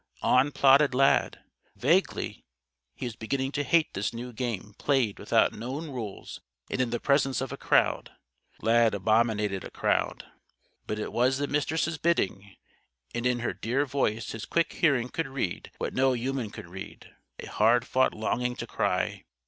_" On plodded Lad. Vaguely, he was beginning to hate this new game played without known rules and in the presence of a crowd. Lad abominated a crowd. But it was the Mistress' bidding, and in her dear voice his quick hearing could read what no human could read a hard fought longing to cry.